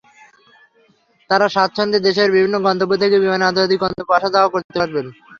তাঁরা স্বাচ্ছন্দ্যে দেশের বিভিন্ন গন্তব্য থেকে বিমানের আন্তর্জাতিক গন্তব্যে আসা-যাওয়া করতে পারবেন।